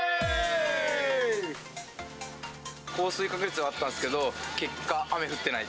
降水確率はあったんすけど、結果、雨降ってない。